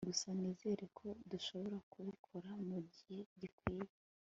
Gusa nizere ko dushobora kubikora mugihe gikwiye